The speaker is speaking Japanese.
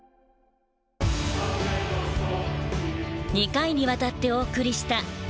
２回にわたってお送りした「保存版！